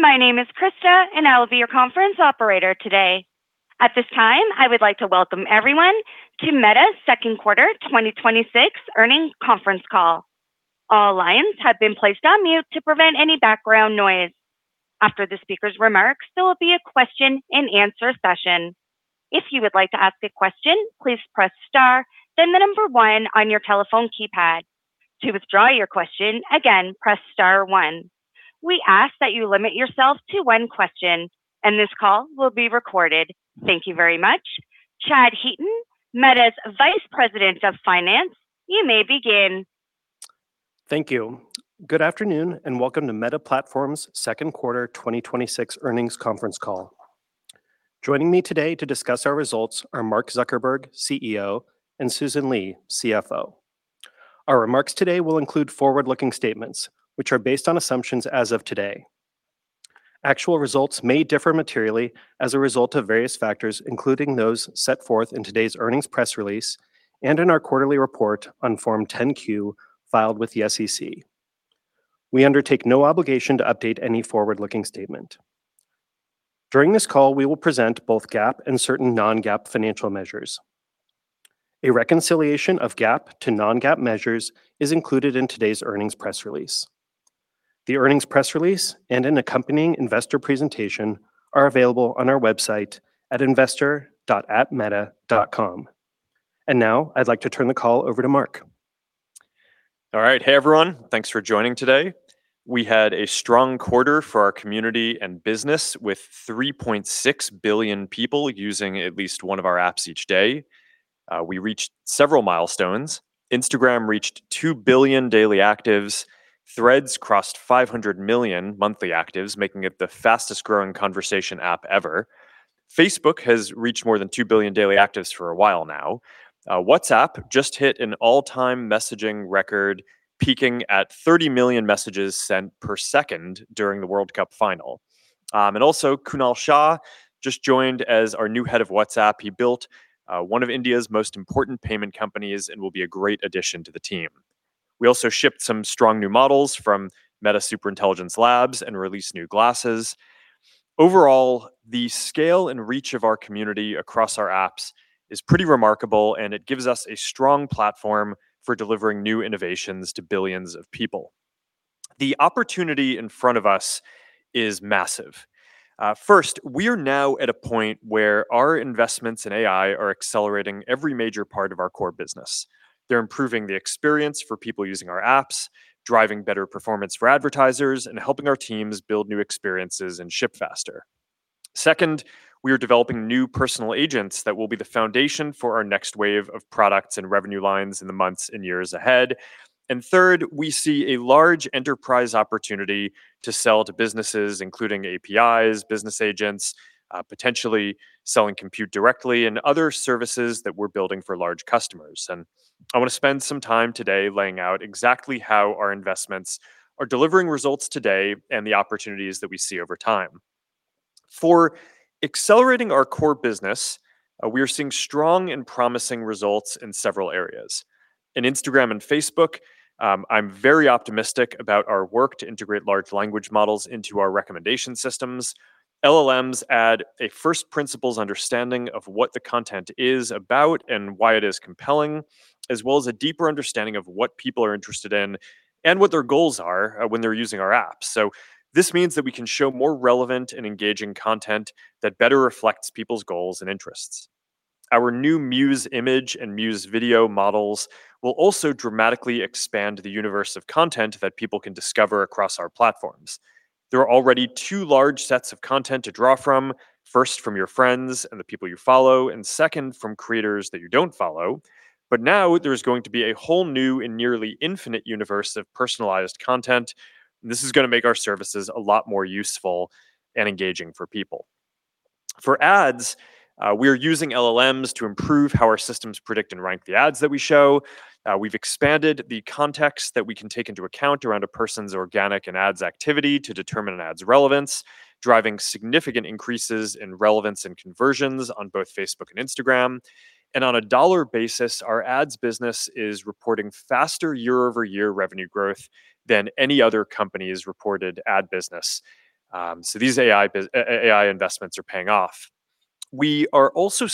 My name is Krista, and I will be your conference operator today. At this time, I would like to welcome everyone to Meta's second quarter 2026 earnings conference call. All lines have been placed on mute to prevent any background noise. After the speaker's remarks, there will be a question and answer session. If you would like to ask a question, please press star, then the number one on your telephone keypad. To withdraw your question, again, press star one. We ask that you limit yourself to one question, and this call will be recorded. Thank you very much. Chad Heaton, Meta's Vice President of Finance, you may begin. Thank you. Good afternoon and welcome to Meta Platforms' second quarter 2026 earnings conference call. Joining me today to discuss our results are Mark Zuckerberg, CEO, and Susan Li, CFO. Our remarks today will include forward-looking statements, which are based on assumptions as of today. Actual results may differ materially as a result of various factors, including those set forth in today's earnings press release and in our quarterly report on Form 10-Q filed with the SEC. We undertake no obligation to update any forward-looking statement. During this call, we will present both GAAP and certain non-GAAP financial measures. A reconciliation of GAAP to non-GAAP measures is included in today's earnings press release. The earnings press release and an accompanying investor presentation are available on our website at investor.meta.com. Now I'd like to turn the call over to Mark. All right. Hey, everyone. Thanks for joining today. We had a strong quarter for our community and business with 3.6 billion people using at least one of our apps each day. We reached several milestones. Instagram reached 2 billion daily actives. Threads crossed 500 million monthly actives, making it the fastest-growing conversation app ever. Facebook has reached more than 2 billion daily actives for a while now. WhatsApp just hit an all-time messaging record, peaking at 30 million messages sent per second during the World Cup final. Also, Kunal Shah just joined as our new Head of WhatsApp. He built one of India's most important payment companies and will be a great addition to the team. We also shipped some strong new models from Meta Superintelligence Labs and released new glasses. Overall, the scale and reach of our community across our apps is pretty remarkable, and it gives us a strong platform for delivering new innovations to billions of people. The opportunity in front of us is massive. First, we are now at a point where our investments in AI are accelerating every major part of our core business. They're improving the experience for people using our apps, driving better performance for advertisers, and helping our teams build new experiences and ship faster. Second, we are developing new personal agents that will be the foundation for our next wave of products and revenue lines in the months and years ahead. Third, we see a large enterprise opportunity to sell to businesses, including APIs, business agents, potentially selling Compute directly and other services that we're building for large customers. I want to spend some time today laying out exactly how our investments are delivering results today and the opportunities that we see over time. For accelerating our core business, we are seeing strong and promising results in several areas. In Instagram and Facebook, I am very optimistic about our work to integrate large language models into our recommendation systems. LLMs add a first principles understanding of what the content is about and why it is compelling, as well as a deeper understanding of what people are interested in and what their goals are when they are using our apps. This means that we can show more relevant and engaging content that better reflects people's goals and interests. Our new Muse Image and Muse Video models will also dramatically expand the universe of content that people can discover across our platforms. There are already two large sets of content to draw from. First, from your friends and the people you follow, and second, from creators that you don't follow. Now there's going to be a whole new and nearly infinite universe of personalized content. This is going to make our services a lot more useful and engaging for people. For ads, we are using LLMs to improve how our systems predict and rank the ads that we show. We've expanded the context that we can take into account around a person's organic and ads activity to determine an ad's relevance, driving significant increases in relevance and conversions on both Facebook and Instagram. On a dollar basis, our ads business is reporting faster year-over-year revenue growth than any other company's reported ad business. These AI investments are paying off. We are also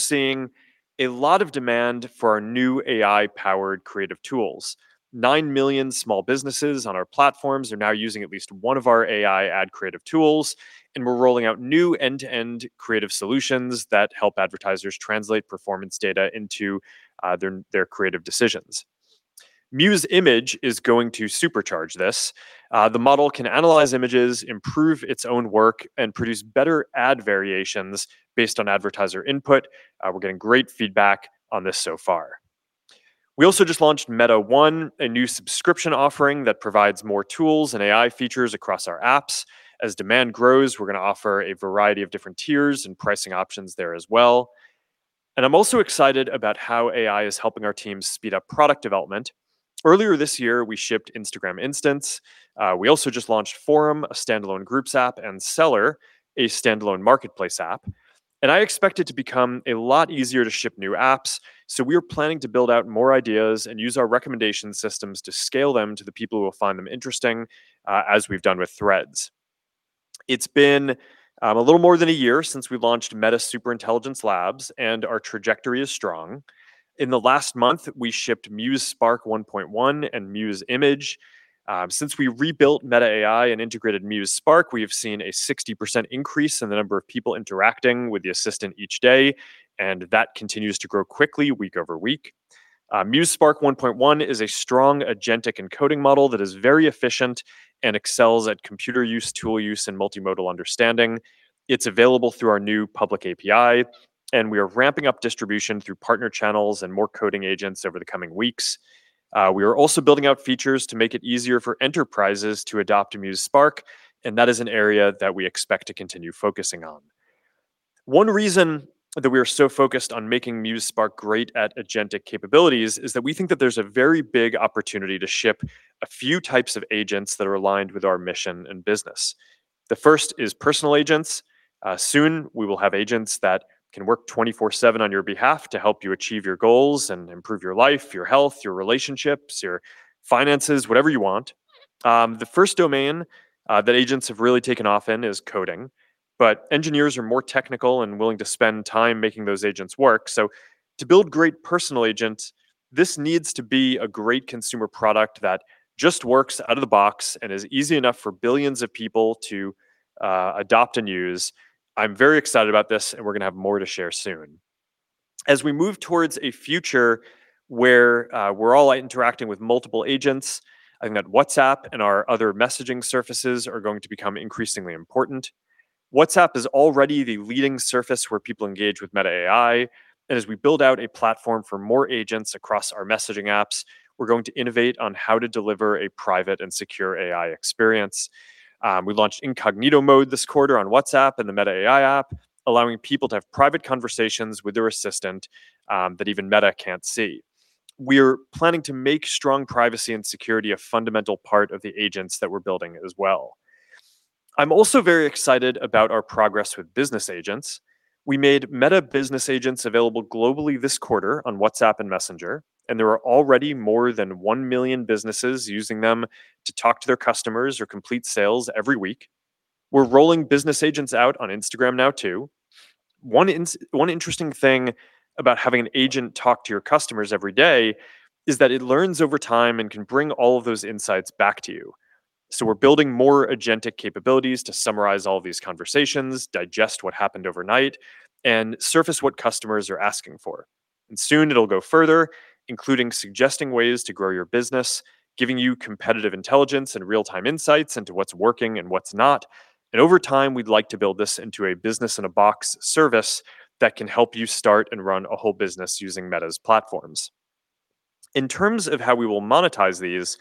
seeing a lot of demand for our new AI-powered creative tools. 9 million small businesses on our platforms are now using at least one of our AI ad creative tools, and we're rolling out new end-to-end creative solutions that help advertisers translate performance data into their creative decisions. Muse Image is going to supercharge this. The model can analyze images, improve its own work, and produce better ad variations based on advertiser input. We're getting great feedback on this so far. We also just launched Meta One, a new subscription offering that provides more tools and AI features across our apps. As demand grows, we're going to offer a variety of different tiers and pricing options there as well. I'm also excited about how AI is helping our teams speed up product development. Earlier this year, we shipped Instagram Instants. We also just launched Forum, a standalone groups app, and Seller, a standalone marketplace app. I expect it to become a lot easier to ship new apps, we are planning to build out more ideas and use our recommendation systems to scale them to the people who will find them interesting, as we've done with Threads. It's been a little more than a year since we launched Meta Superintelligence Labs, our trajectory is strong. In the last month, we shipped Muse Spark 1.1 and Muse Image. Since we rebuilt Meta AI and integrated Muse Spark, we have seen a 60% increase in the number of people interacting with the assistant each day, that continues to grow quickly week-over-week. Muse Spark 1.1 is a strong agentic encoding model that is very efficient and excels at computer use, tool use, and multimodal understanding. It's available through our new public API. We are ramping up distribution through partner channels and more coding agents over the coming weeks. We are also building out features to make it easier for enterprises to adopt Muse Spark. That is an area that we expect to continue focusing on. One reason that we are so focused on making Muse Spark great at agentic capabilities is that we think that there's a very big opportunity to ship a few types of agents that are aligned with our mission and business. The first is personal agents. Soon, we will have agents that can work 24/7 on your behalf to help you achieve your goals and improve your life, your health, your relationships, your finances, whatever you want. The first domain that agents have really taken off in is coding. Engineers are more technical and willing to spend time making those agents work. To build great personal agents, this needs to be a great consumer product that just works out of the box and is easy enough for billions of people to adopt and use. I'm very excited about this. We're going to have more to share soon. As we move towards a future where we're all interacting with multiple agents, I think that WhatsApp and our other messaging surfaces are going to become increasingly important. WhatsApp is already the leading surface where people engage with Meta AI. As we build out a platform for more agents across our messaging apps, we're going to innovate on how to deliver a private and secure AI experience. We launched incognito mode this quarter on WhatsApp and the Meta AI app, allowing people to have private conversations with their assistant that even Meta can't see. We're planning to make strong privacy and security a fundamental part of the agents that we're building as well. I'm also very excited about our progress with business agents. We made Meta Business Agent available globally this quarter on WhatsApp and Messenger. There are already more than 1 million businesses using them to talk to their customers or complete sales every week. We're rolling business agents out on Instagram now, too. One interesting thing about having an agent talk to your customers every day is that it learns over time and can bring all of those insights back to you. We're building more agentic capabilities to summarize all these conversations, digest what happened overnight, and surface what customers are asking for. Soon it'll go further, including suggesting ways to grow your business, giving you competitive intelligence and real-time insights into what's working and what's not. Over time, we'd like to build this into a business-in-a-box service that can help you start and run a whole business using Meta's platforms. In terms of how we will monetize these,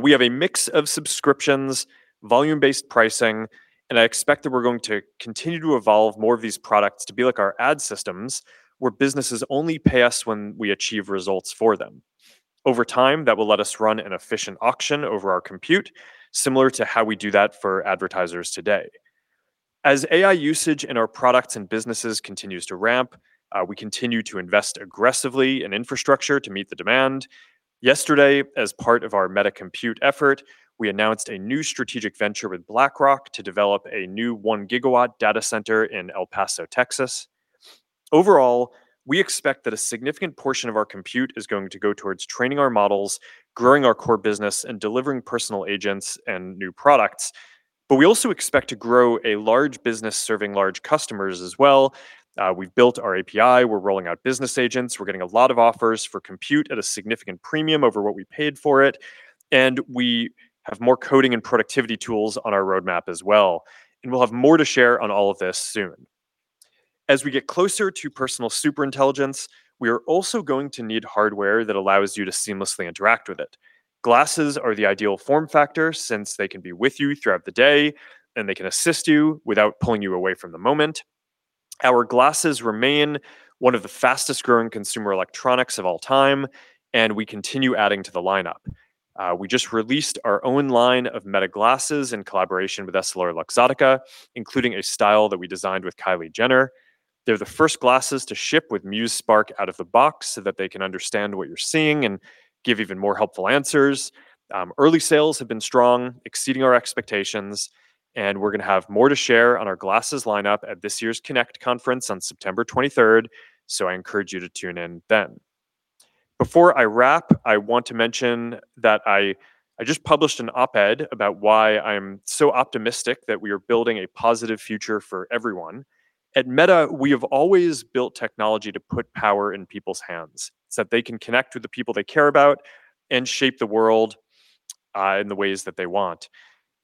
we have a mix of subscriptions, volume-based pricing. I expect that we're going to continue to evolve more of these products to be like our ad systems, where businesses only pay us when we achieve results for them. Over time, that will let us run an efficient auction over our compute, similar to how we do that for advertisers today. As AI usage in our products and businesses continues to ramp, we continue to invest aggressively in infrastructure to meet the demand. Yesterday, as part of our Meta Compute effort, we announced a new strategic venture with BlackRock to develop a new 1 GW data center in El Paso, Texas. Overall, we expect that a significant portion of our compute is going to go towards training our models, growing our core business, and delivering personal agents and new products. We also expect to grow a large business serving large customers as well. We've built our API. We're rolling out business agents. We're getting a lot of offers for compute at a significant premium over what we paid for it, and we have more coding and productivity tools on our roadmap as well. We'll have more to share on all of this soon. As we get closer to personal superintelligence, we are also going to need hardware that allows you to seamlessly interact with it. Glasses are the ideal form factor since they can be with you throughout the day and they can assist you without pulling you away from the moment. Our glasses remain one of the fastest-growing consumer electronics of all time. We continue adding to the lineup. We just released our own line of Meta glasses in collaboration with EssilorLuxottica, including a style that we designed with Kylie Jenner. They're the first glasses to ship with Muse Spark out of the box so that they can understand what you're seeing and give even more helpful answers. Early sales have been strong, exceeding our expectations, and we're going to have more to share on our glasses lineup at this year's Connect conference on September 23rd. I encourage you to tune in then. Before I wrap, I want to mention that I just published an op-ed about why I'm so optimistic that we are building a positive future for everyone. At Meta, we have always built technology to put power in people's hands, so that they can connect with the people they care about and shape the world in the ways that they want.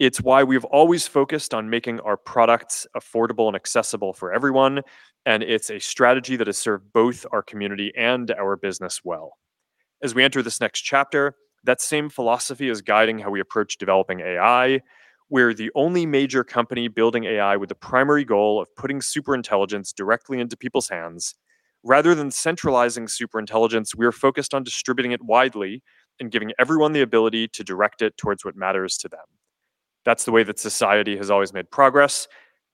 It's why we've always focused on making our products affordable and accessible for everyone. It's a strategy that has served both our community and our business well. As we enter this next chapter, that same philosophy is guiding how we approach developing AI. We're the only major company building AI with the primary goal of putting superintelligence directly into people's hands. Rather than centralizing superintelligence, we are focused on distributing it widely and giving everyone the ability to direct it towards what matters to them. That's the way that society has always made progress.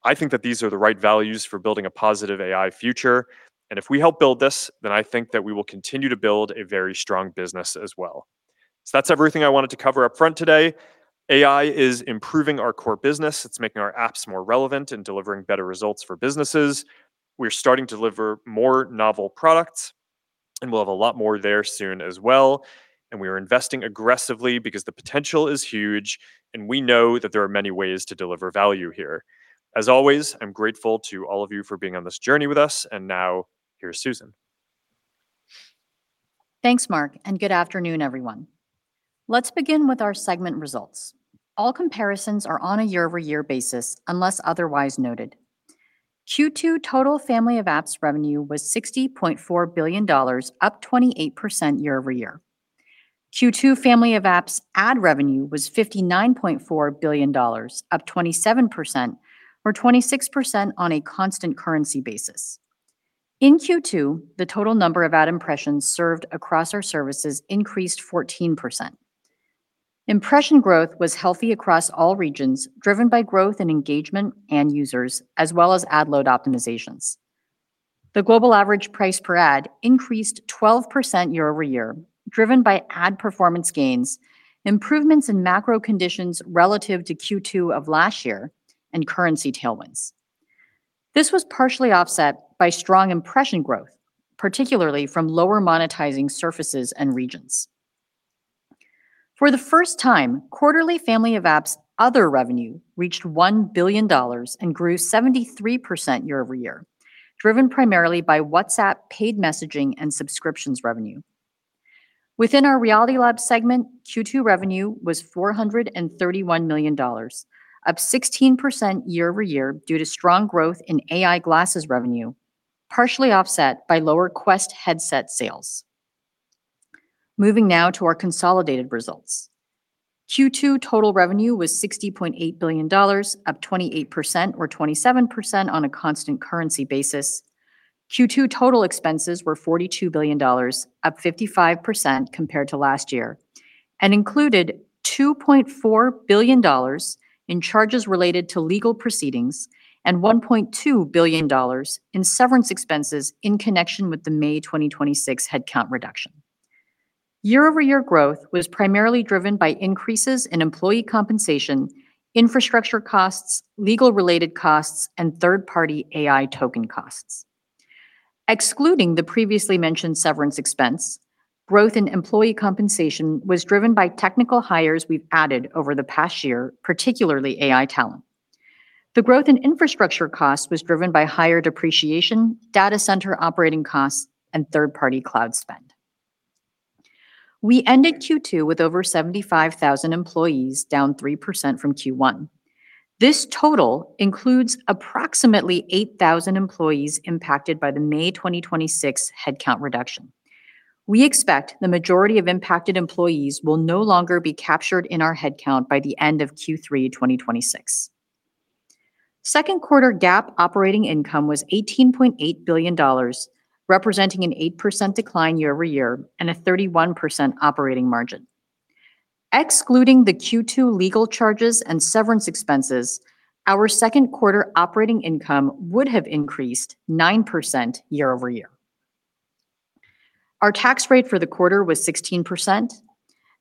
I think that these are the right values for building a positive AI future, and if we help build this, then I think that we will continue to build a very strong business as well. That's everything I wanted to cover upfront today. AI is improving our core business. It's making our apps more relevant and delivering better results for businesses. We're starting to deliver more novel products, and we'll have a lot more there soon as well. We are investing aggressively because the potential is huge, and we know that there are many ways to deliver value here. As always, I'm grateful to all of you for being on this journey with us. Now, here's Susan. Thanks, Mark, and good afternoon, everyone. Let's begin with our segment results. All comparisons are on a year-over-year basis, unless otherwise noted. Q2 total Family of Apps revenue was $60.4 billion, up 28% year-over-year. Q2 Family of Apps ad revenue was $59.4 billion, up 27%, or 26% on a constant currency basis. In Q2, the total number of ad impressions served across our services increased 14%. Impression growth was healthy across all regions, driven by growth in engagement and users, as well as ad load optimizations. The global average price per ad increased 12% year-over-year, driven by ad performance gains, improvements in macro conditions relative to Q2 of last year, and currency tailwinds. This was partially offset by strong impression growth, particularly from lower monetizing surfaces and regions. For the first time, quarterly Family of Apps other revenue reached $1 billion and grew 73% year-over-year, driven primarily by WhatsApp paid messaging and subscriptions revenue. Within our Reality Labs segment, Q2 revenue was $431 million, up 16% year-over-year due to strong growth in AI glasses revenue, partially offset by lower Quest headset sales. Moving now to our consolidated results. Q2 total revenue was $60.8 billion, up 28%, or 27% on a constant currency basis. Q2 total expenses were $42 billion, up 55% compared to last year, and included $2.4 billion in charges related to legal proceedings and $1.2 billion in severance expenses in connection with the May 2026 headcount reduction. Year-over-year growth was primarily driven by increases in employee compensation, infrastructure costs, legal-related costs, and third-party AI token costs. Excluding the previously mentioned severance expense, growth in employee compensation was driven by technical hires we've added over the past year, particularly AI talent. The growth in infrastructure cost was driven by higher depreciation, data center operating costs, and third-party cloud spend. We ended Q2 with over 75,000 employees down 3% from Q1. This total includes approximately 8,000 employees impacted by the May 2026 headcount reduction. We expect the majority of impacted employees will no longer be captured in our headcount by the end of Q3 2026. Second quarter GAAP operating income was $18.8 billion, representing an 8% decline year-over-year and a 31% operating margin. Excluding the Q2 legal charges and severance expenses, our second quarter operating income would have increased 9% year-over-year. Our tax rate for the quarter was 16%.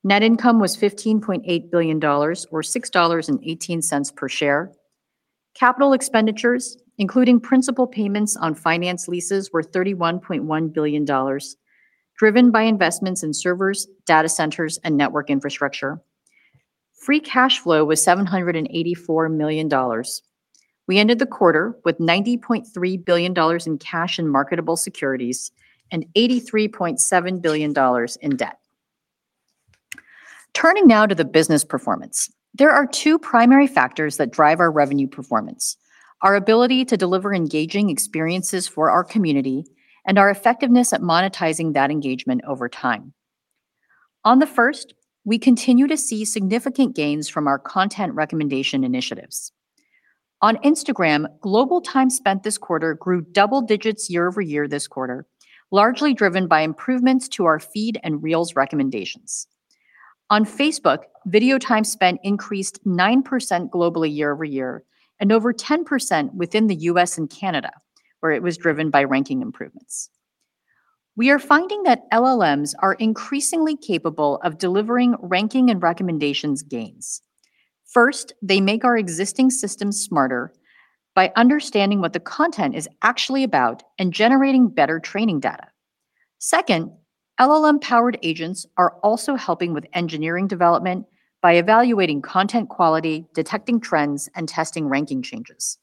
Net income was $15.8 billion, or $6.18 per share. Capital expenditures, including principal payments on finance leases, were $31.1 billion, driven by investments in servers, data centers, and network infrastructure. Free cash flow was $784 million. We ended the quarter with $90.3 billion in cash and marketable securities and $83.7 billion in debt. Turning now to the business performance. There are two primary factors that drive our revenue performance, our ability to deliver engaging experiences for our community and our effectiveness at monetizing that engagement over time. On the first, we continue to see significant gains from our content recommendation initiatives. On Instagram, global time spent this quarter grew double digits year-over-year this quarter, largely driven by improvements to our Feed and Reels recommendations. On Facebook, video time spent increased 9% globally year-over-year and over 10% within the U.S. and Canada, where it was driven by ranking improvements. We are finding that LLMs are increasingly capable of delivering ranking and recommendations gains. First, they make our existing systems smarter by understanding what the content is actually about and generating better training data. Second, LLM-powered agents are also helping with engineering development by evaluating content quality, detecting trends, and testing ranking changes.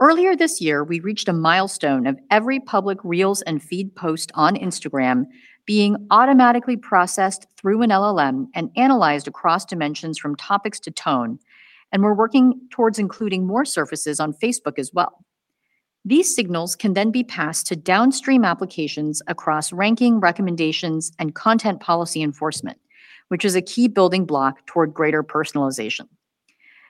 Earlier this year, we reached a milestone of every public Reels and Feed post on Instagram being automatically processed through an LLM and analyzed across dimensions from topics to tone, and we're working towards including more surfaces on Facebook as well. These signals can then be passed to downstream applications across ranking, recommendations, and content policy enforcement, which is a key building block toward greater personalization.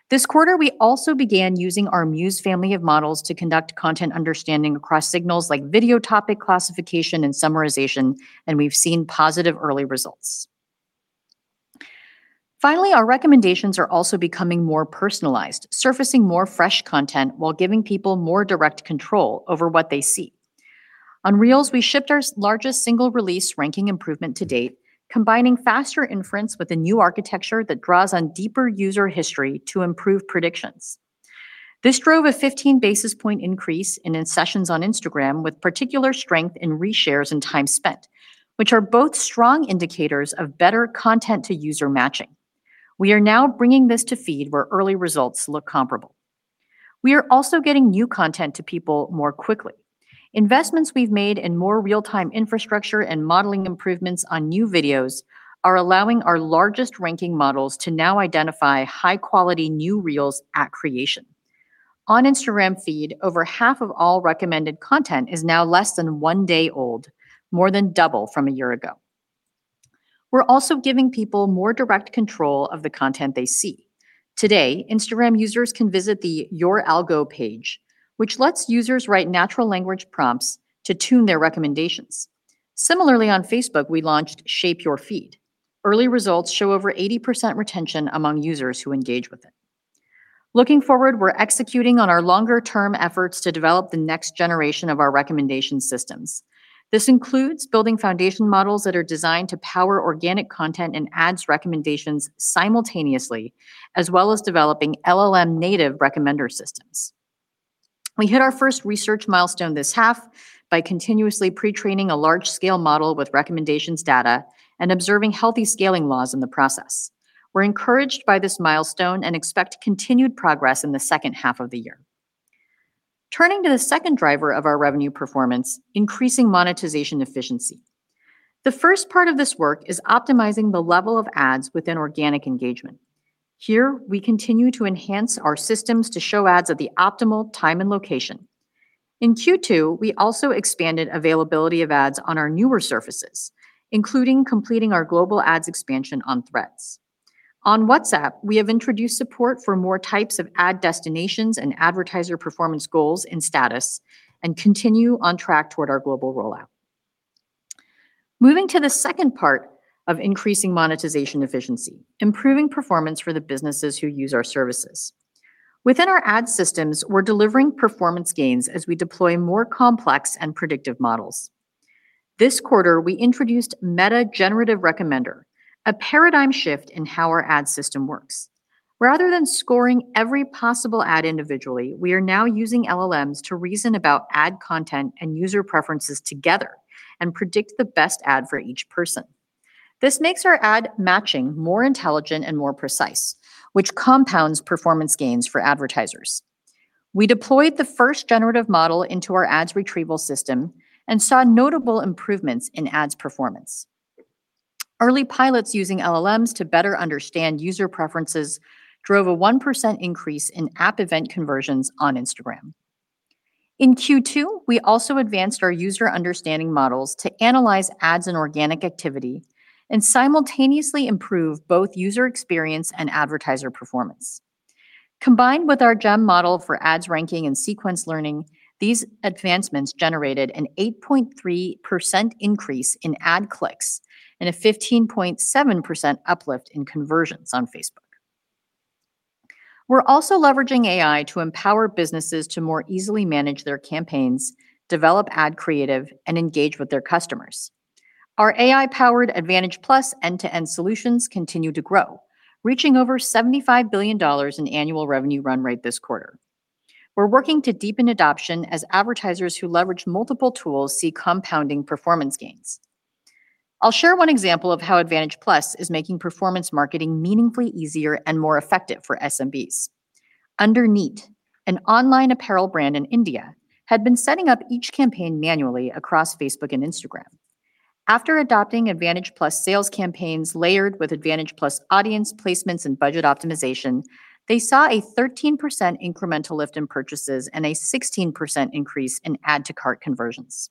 This quarter, we also began using our Muse family of models to conduct content understanding across signals like video topic classification and summarization, and we've seen positive early results. Finally, our recommendations are also becoming more personalized, surfacing more fresh content while giving people more direct control over what they see. On Reels, we shipped our largest single-release ranking improvement to date, combining faster inference with a new architecture that draws on deeper user history to improve predictions. This drove a 15 basis point increase in sessions on Instagram, with particular strength in reshares and time spent, which are both strong indicators of better content to user matching. We are now bringing this to Feed, where early results look comparable. We are also getting new content to people more quickly. Investments we've made in more real-time infrastructure and modeling improvements on new videos are allowing our largest ranking models to now identify high-quality new Reels at creation. On Instagram Feed, over half of all recommended content is now less than one day old, more than double from a year ago. We're also giving people more direct control of the content they see. Today, Instagram users can visit the Your Algo page, which lets users write natural language prompts to tune their recommendations. Similarly, on Facebook, we launched Shape Your Feed. Early results show over 80% retention among users who engage with it. Looking forward, we're executing on our longer-term efforts to develop the next generation of our recommendation systems. This includes building foundation models that are designed to power organic content and ads recommendations simultaneously, as well as developing LLM native recommender systems. We hit our first research milestone this half by continuously pre-training a large-scale model with recommendations data, and observing healthy scaling laws in the process. We're encouraged by this milestone and expect continued progress in the second half of the year. Turning to the second driver of our revenue performance, increasing monetization efficiency. The first part of this work is optimizing the level of ads within organic engagement. Here, we continue to enhance our systems to show ads at the optimal time and location. In Q2, we also expanded availability of ads on our newer surfaces, including completing our global ads expansion on Threads. On WhatsApp, we have introduced support for more types of ad destinations and advertiser performance goals in status, and continue on track toward our global rollout. Moving to the second part of increasing monetization efficiency, improving performance for the businesses who use our services. Within our ad systems, we're delivering performance gains as we deploy more complex and predictive models. This quarter, we introduced Meta Generative Recommender, a paradigm shift in how our ad system works. Rather than scoring every possible ad individually, we are now using LLMs to reason about ad content and user preferences together and predict the best ad for each person. This makes our ad matching more intelligent and more precise, which compounds performance gains for advertisers. We deployed the first generative model into our ads retrieval system and saw notable improvements in ads performance. Early pilots using LLMs to better understand user preferences drove a 1% increase in app event conversions on Instagram. In Q2, we also advanced our user understanding models to analyze ads and organic activity, simultaneously improve both user experience and advertiser performance. Combined with our GEM model for ads ranking and sequence learning, these advancements generated an 8.3% increase in ad clicks and a 15.7% uplift in conversions on Facebook. We're also leveraging AI to empower businesses to more easily manage their campaigns, develop ad creative, and engage with their customers. Our AI-powered Advantage+ end-to-end solutions continue to grow, reaching over $75 billion in annual revenue run rate this quarter. We're working to deepen adoption as advertisers who leverage multiple tools see compounding performance gains. I'll share one example of how Advantage+ is making performance marketing meaningfully easier and more effective for SMBs. Underneat, an online apparel brand in India, had been setting up each campaign manually across Facebook and Instagram. After adopting Advantage+ sales campaigns layered with Advantage+ audience placements and budget optimization, they saw a 13% incremental lift in purchases and a 16% increase in add-to-cart conversions.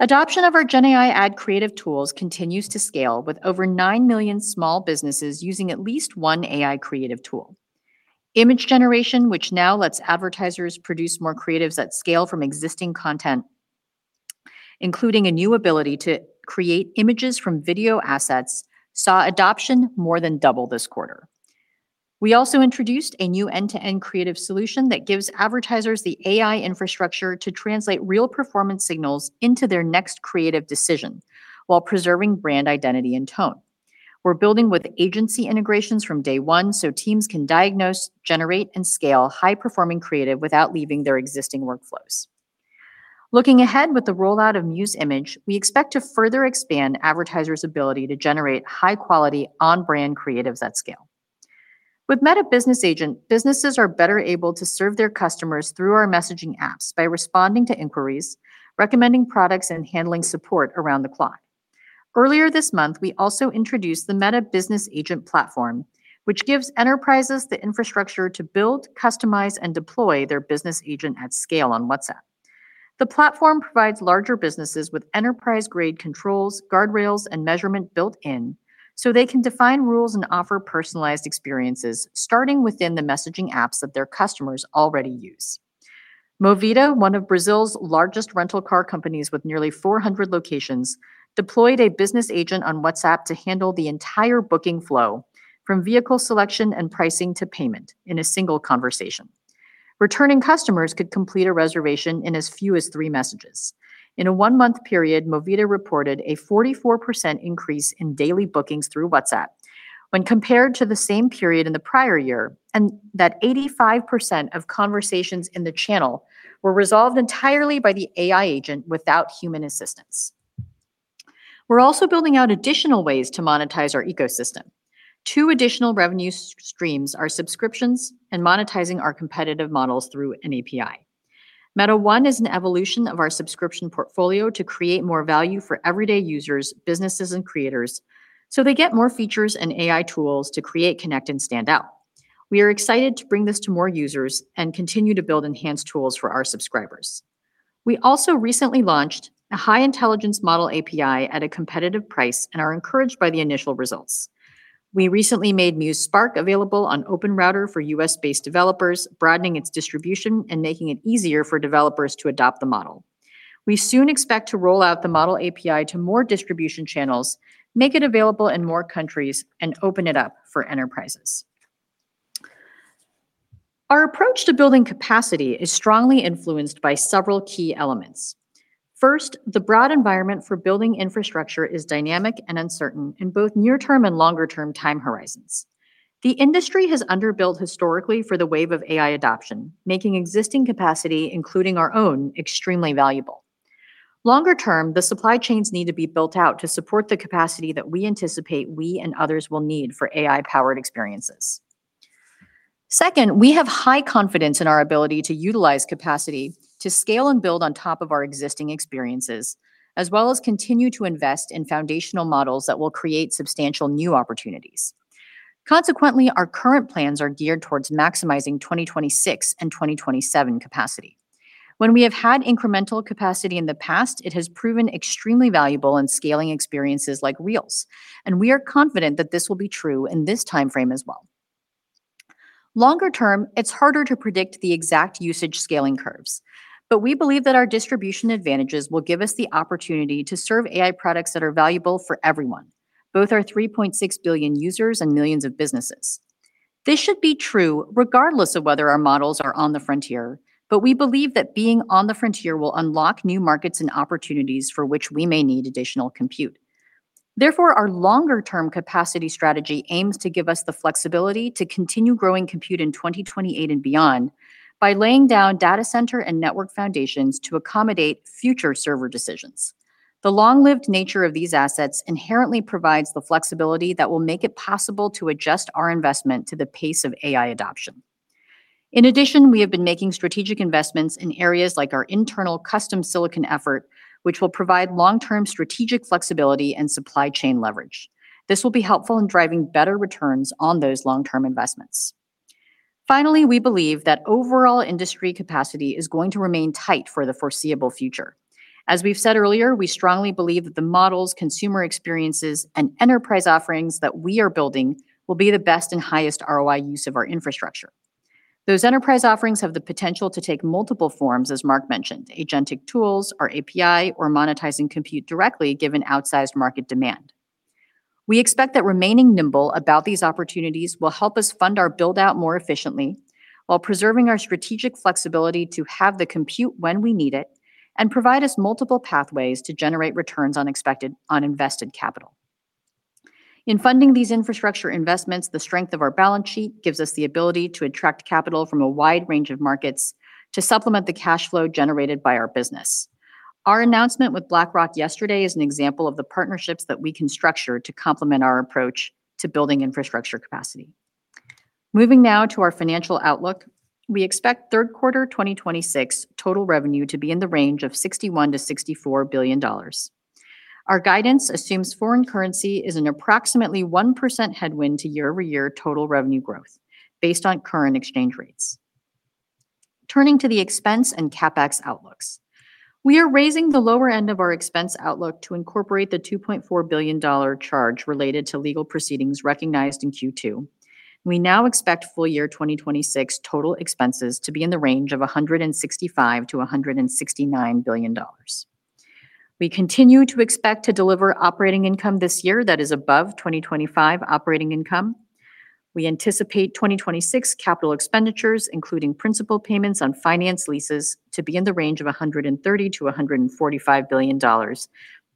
Adoption of our gen AI ad creative tools continues to scale, with over 9 million small businesses using at least one AI creative tool. Image generation, which now lets advertisers produce more creatives at scale from existing content, including a new ability to create images from video assets, saw adoption more than double this quarter. We also introduced a new end-to-end creative solution that gives advertisers the AI infrastructure to translate real performance signals into their next creative decision while preserving brand identity and tone. We're building with agency integrations from day one so teams can diagnose, generate, and scale high-performing creative without leaving their existing workflows. Looking ahead with the rollout of Muse Image, we expect to further expand advertisers' ability to generate high-quality, on-brand creatives at scale. With Meta Business Agent, businesses are better able to serve their customers through our messaging apps by responding to inquiries, recommending products, and handling support around the clock. Earlier this month, we also introduced the Meta Business Agent Platform, which gives enterprises the infrastructure to build, customize, and deploy their business agent at scale on WhatsApp. The platform provides larger businesses with enterprise-grade controls, guardrails, and measurement built in so they can define rules and offer personalized experiences, starting within the messaging apps that their customers already use. Movida, one of Brazil's largest rental car companies with nearly 400 locations, deployed a business agent on WhatsApp to handle the entire booking flow, from vehicle selection and pricing to payment, in a single conversation. Returning customers could complete a reservation in as few as three messages. In a one-month period, Movida reported a 44% increase in daily bookings through WhatsApp when compared to the same period in the prior year, that 85% of conversations in the channel were resolved entirely by the AI agent without human assistance. We're also building out additional ways to monetize our ecosystem. Two additional revenue streams are subscriptions and monetizing our competitive models through an API. Meta One is an evolution of our subscription portfolio to create more value for everyday users, businesses, and creators, so they get more features and AI tools to create, connect, and stand out. We are excited to bring this to more users and continue to build enhanced tools for our subscribers. We also recently launched a high-intelligence model API at a competitive price and are encouraged by the initial results. We recently made Muse Spark available on OpenRouter for U.S.-based developers, broadening its distribution and making it easier for developers to adopt the model. We soon expect to roll out the model API to more distribution channels, make it available in more countries, and open it up for enterprises. Our approach to building capacity is strongly influenced by several key elements. First, the broad environment for building infrastructure is dynamic and uncertain in both near-term and longer-term time horizons. The industry has under-built historically for the wave of AI adoption, making existing capacity, including our own, extremely valuable. Longer-term, the supply chains need to be built out to support the capacity that we anticipate we and others will need for AI-powered experiences. Second, we have high confidence in our ability to utilize capacity to scale and build on top of our existing experiences, as well as continue to invest in foundational models that will create substantial new opportunities. Consequently, our current plans are geared towards maximizing 2026 and 2027 capacity. When we have had incremental capacity in the past, it has proven extremely valuable in scaling experiences like Reels, and we are confident that this will be true in this timeframe as well. Longer-term, it's harder to predict the exact usage scaling curves. We believe that our distribution advantages will give us the opportunity to serve AI products that are valuable for everyone, both our 3.6 billion users and millions of businesses. This should be true regardless of whether our models are on the frontier. We believe that being on the frontier will unlock new markets and opportunities for which we may need additional compute. Therefore, our longer-term capacity strategy aims to give us the flexibility to continue growing compute in 2028 and beyond by laying down data center and network foundations to accommodate future server decisions. The long-lived nature of these assets inherently provides the flexibility that will make it possible to adjust our investment to the pace of AI adoption. In addition, we have been making strategic investments in areas like our internal custom silicon effort, which will provide long-term strategic flexibility and supply chain leverage. This will be helpful in driving better returns on those long-term investments. Finally, we believe that overall industry capacity is going to remain tight for the foreseeable future. As we've said earlier, we strongly believe that the models, consumer experiences, and enterprise offerings that we are building will be the best and highest ROI use of our infrastructure. Those enterprise offerings have the potential to take multiple forms, as Mark mentioned. Agentic tools, our API, or monetizing compute directly, given outsized market demand. We expect that remaining nimble about these opportunities will help us fund our build-out more efficiently while preserving our strategic flexibility to have the compute when we need it and provide us multiple pathways to generate returns on invested capital. In funding these infrastructure investments, the strength of our balance sheet gives us the ability to attract capital from a wide range of markets to supplement the cash flow generated by our business. Our announcement with BlackRock yesterday is an example of the partnerships that we can structure to complement our approach to building infrastructure capacity. Moving now to our financial outlook. We expect third quarter 2026 total revenue to be in the range of $61 billion- $64 billion. Our guidance assumes foreign currency is an approximately 1% headwind to year-over-year total revenue growth based on current exchange rates. Turning to the expense and CapEx outlooks. We are raising the lower end of our expense outlook to incorporate the $2.4 billion charge related to legal proceedings recognized in Q2. We now expect full year 2026 total expenses to be in the range of $165 billion-$169 billion. We continue to expect to deliver operating income this year that is above 2025 operating income. We anticipate 2026 capital expenditures, including principal payments on finance leases, to be in the range of $130 billion-$145 billion,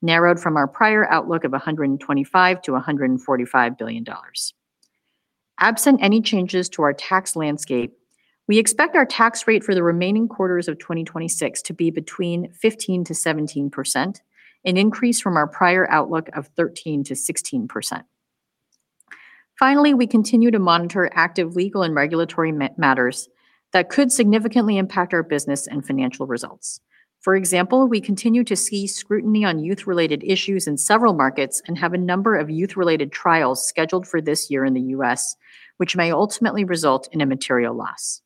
narrowed from our prior outlook of $125 billion-$145 billion. Absent any changes to our tax landscape, we expect our tax rate for the remaining quarters of 2026 to be between 15%-17%, an increase from our prior outlook of 13%-16%. Finally, we continue to monitor active legal and regulatory matters that could significantly impact our business and financial results. For example, we continue to see scrutiny on youth-related issues in several markets and have a number of youth-related trials scheduled for this year in the U.S., which may ultimately result in a material loss.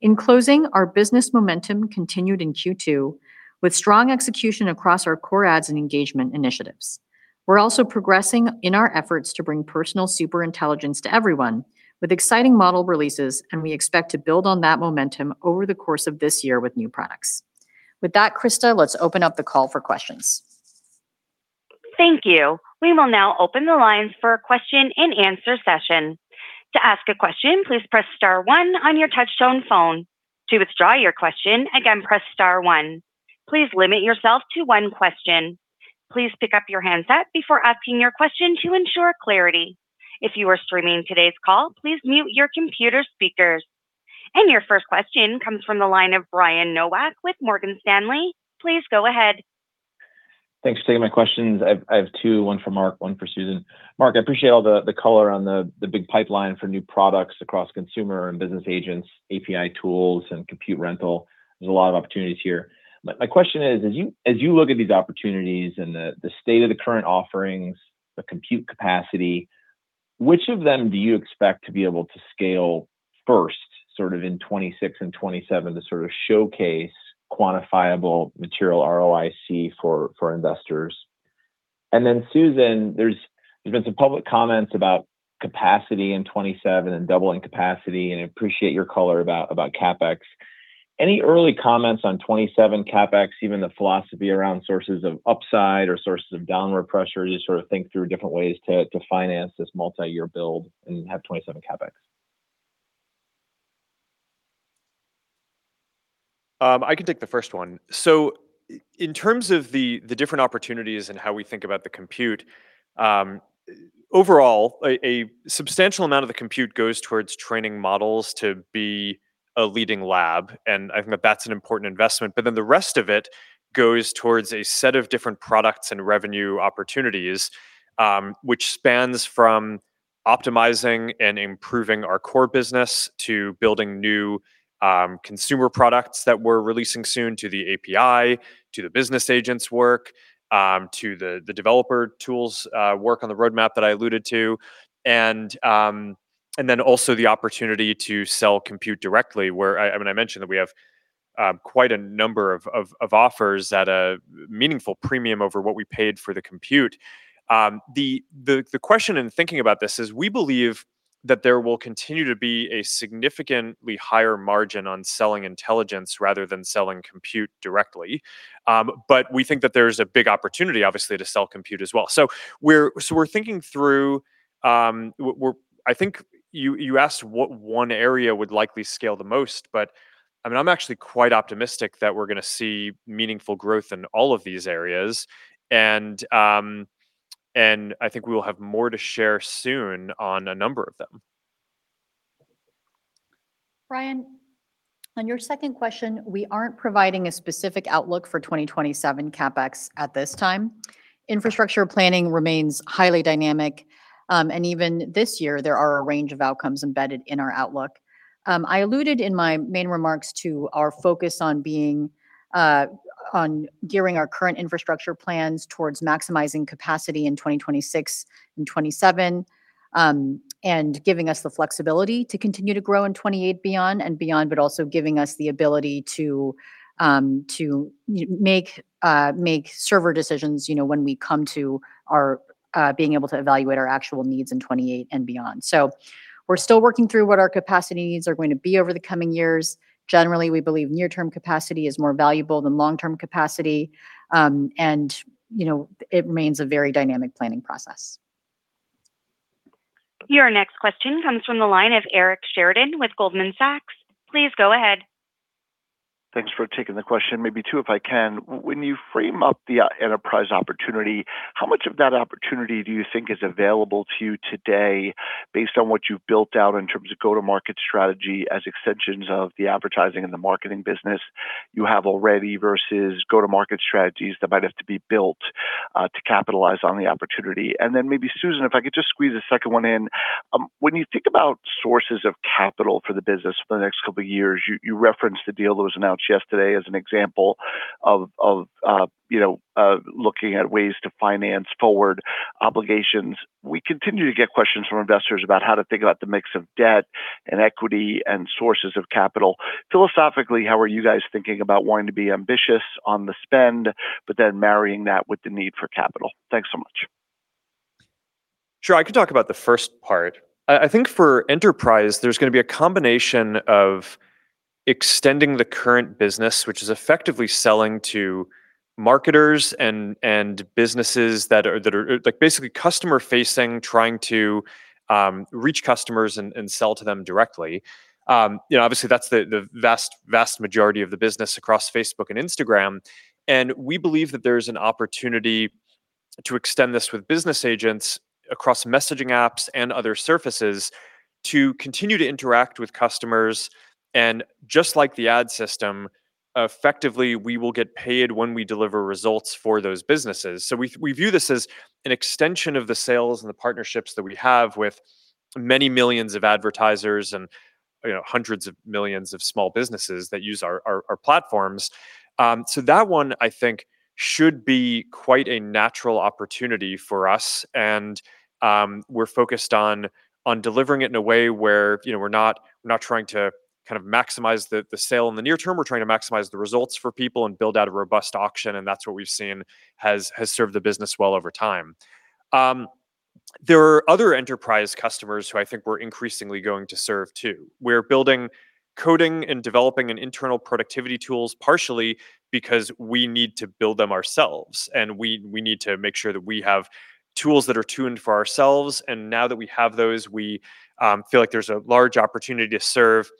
In closing, our business momentum continued in Q2 with strong execution across our core ads and engagement initiatives. We're also progressing in our efforts to bring personal super intelligence to everyone with exciting model releases, and we expect to build on that momentum over the course of this year with new products. With that, Krista, let's open up the call for questions. Thank you. We will now open the lines for a question and answer session. To ask a question, please press star one on your touch-tone phone. To withdraw your question, again, press star one. Please limit yourself to one question. Please pick up your handset before asking your question to ensure clarity. If you are streaming today's call, please mute your computer speakers. Your first question comes from the line of Brian Nowak with Morgan Stanley. Please go ahead. Thanks for taking my questions. I have two, one for Mark, one for Susan. Mark, I appreciate all the color on the big pipeline for new products across consumer and business agents, API tools, and compute rental. There's a lot of opportunities here. My question is, as you look at these opportunities and the state of the current offerings, the compute capacity, which of them do you expect to be able to scale first, sort of in 2026 and 2027, to sort of showcase quantifiable material ROIC for investors? Susan, there's been some public comments about capacity in 2027 and doubling capacity, and I appreciate your color about CapEx. Any early comments on 2027 CapEx, even the philosophy around sources of upside or sources of downward pressure as you sort of think through different ways to finance this multi-year build and have 2027 CapEx? I can take the first one. In terms of the different opportunities and how we think about the compute, overall, a substantial amount of the compute goes towards training models to be a leading lab, and I think that's an important investment. The rest of it goes towards a set of different products and revenue opportunities, which spans from optimizing and improving our core business, to building new consumer products that we're releasing soon to the API, to the business agents work, to the developer tools work on the roadmap that I alluded to, and also the opportunity to sell compute directly. I mentioned that we have quite a number of offers at a meaningful premium over what we paid for the compute. The question in thinking about this is, we believe that there will continue to be a significantly higher margin on selling intelligence rather than selling compute directly. We think that there's a big opportunity, obviously, to sell compute as well. I think you asked what one area would likely scale the most, but I'm actually quite optimistic that we're going to see meaningful growth in all of these areas. I think we'll have more to share soon on a number of them. Brian, on your second question, we aren't providing a specific outlook for 2027 CapEx at this time. Infrastructure planning remains highly dynamic. Even this year, there are a range of outcomes embedded in our outlook. I alluded in my main remarks to our focus on gearing our current infrastructure plans towards maximizing capacity in 2026 and 2027, and giving us the flexibility to continue to grow in 2028 and beyond, but also giving us the ability to make server decisions when we come to being able to evaluate our actual needs in 2028 and beyond. We're still working through what our capacity needs are going to be over the coming years. Generally, we believe near-term capacity is more valuable than long-term capacity. It remains a very dynamic planning process. Your next question comes from the line of Eric Sheridan with Goldman Sachs. Please go ahead. Thanks for taking the question. Maybe two, if I can. When you frame up the enterprise opportunity, how much of that opportunity do you think is available to you today based on what you've built out in terms of go-to-market strategy as extensions of the advertising and the marketing business you have already, versus go-to-market strategies that might have to be built to capitalize on the opportunity? Then maybe Susan, if I could just squeeze a second one in. When you think about sources of capital for the business for the next couple of years, you referenced the deal that was announced yesterday as an example of looking at ways to finance forward obligations. We continue to get questions from investors about how to think about the mix of debt and equity and sources of capital. Philosophically, how are you guys thinking about wanting to be ambitious on the spend, marrying that with the need for capital? Thanks so much. Sure. I can talk about the first part. I think for enterprise, there's going to be a combination of extending the current business, which is effectively selling to marketers and businesses that are basically customer-facing, trying to reach customers and sell to them directly. Obviously, that's the vast majority of the business across Facebook and Instagram. We believe that there's an opportunity to extend this with business agents across messaging apps and other surfaces to continue to interact with customers. Just like the ad system, effectively, we will get paid when we deliver results for those businesses. We view this as an extension of the sales and the partnerships that we have with many millions of advertisers and hundreds of millions of small businesses that use our platforms. That one, I think, should be quite a natural opportunity for us. We're focused on delivering it in a way where we're not trying to maximize the sale in the near term, we're trying to maximize the results for people and build out a robust auction, that's what we've seen has served the business well over time. There are other enterprise customers who I think we're increasingly going to serve too. We're building coding and developing an internal productivity tools partially because we need to build them ourselves, and we need to make sure that we have tools that are tuned for ourselves. Now that we have those, we feel like there's a large opportunity to serve,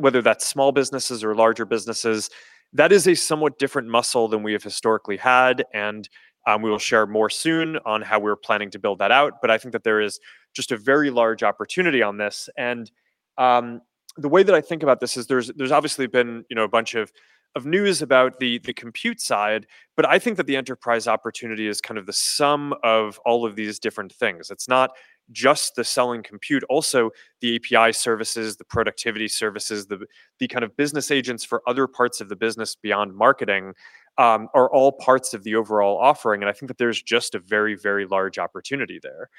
whether that's small businesses or larger businesses. That is a somewhat different muscle than we have historically had, and we will share more soon on how we're planning to build that out. I think that there is just a very large opportunity on this. The way that I think about this is there's obviously been a bunch of news about the compute side, I think that the enterprise opportunity is kind of the sum of all of these different things. It's not just the selling compute, also the API services, the productivity services, the kind of business agents for other parts of the business beyond marketing, are all parts of the overall offering, I think that there's just a very, very large opportunity there.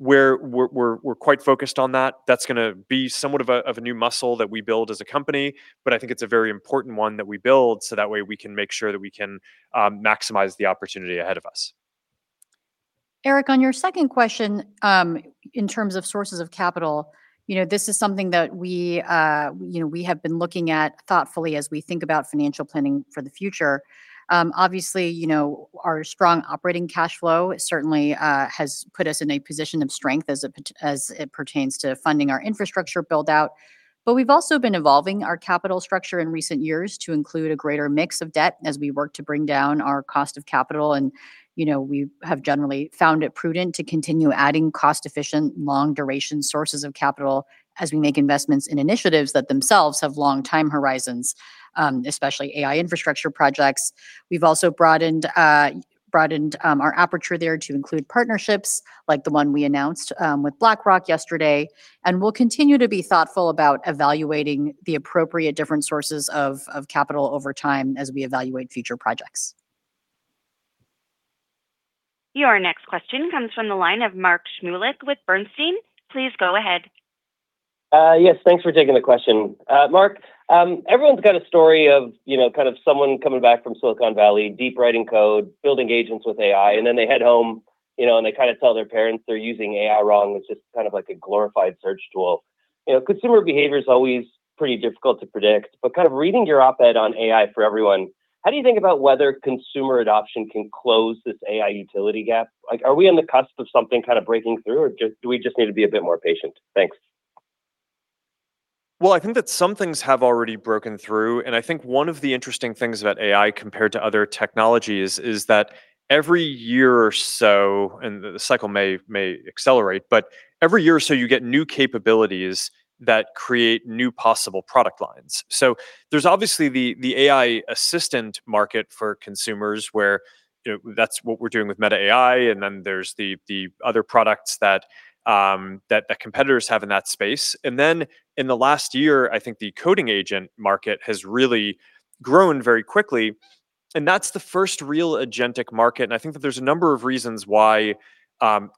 We're quite focused on that. That's going to be somewhat of a new muscle that we build as a company, I think it's a very important one that we build so that way we can make sure that we can maximize the opportunity ahead of us. Eric, on your second question, in terms of sources of capital, this is something that we have been looking at thoughtfully as we think about financial planning for the future. Obviously, our strong operating cash flow certainly has put us in a position of strength as it pertains to funding our infrastructure build-out. We've also been evolving our capital structure in recent years to include a greater mix of debt as we work to bring down our cost of capital. We have generally found it prudent to continue adding cost-efficient, long-duration sources of capital as we make investments in initiatives that themselves have long time horizons, especially AI infrastructure projects. We've also broadened our aperture there to include partnerships like the one we announced with BlackRock yesterday, we'll continue to be thoughtful about evaluating the appropriate different sources of capital over time as we evaluate future projects. Your next question comes from the line of Mark Shmulik with Bernstein. Please go ahead. Yes, thanks for taking the question. Mark, everyone's got a story of someone coming back from Silicon Valley, deep writing code, building agents with AI, then they head home, and they kind of tell their parents they're using AI wrong. It's just kind of like a glorified search tool. Consumer behavior is always pretty difficult to predict, kind of reading your op-ed on "AI for Everyone," how do you think about whether consumer adoption can close this AI utility gap? Are we on the cusp of something kind of breaking through, or do we just need to be a bit more patient? Thanks. Well, I think that some things have already broken through. I think one of the interesting things about AI compared to other technologies is that every year or so, the cycle may accelerate, every year or so, you get new capabilities that create new possible product lines. There's obviously the AI assistant market for consumers, where that's what we're doing with Meta AI, there's the other products that competitors have in that space. In the last year, I think the coding agent market has really grown very quickly, that's the first real agentic market, I think that there's a number of reasons why